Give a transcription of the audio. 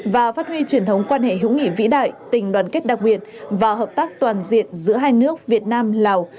và phát huy truyền thống quan hệ hữu nghị vĩ đại tình đoàn kết đặc biệt và hợp tác toàn diện giữa hai nước việt nam lào